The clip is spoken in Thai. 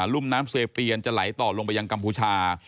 รุ่มน้ำเซเปียนจะไหลต่อลงไปยังกัมพูชา